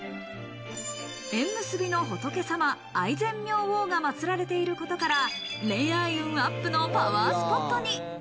縁結びの仏様・愛染明王が祀られていることから、恋愛運アップのパワースポットに。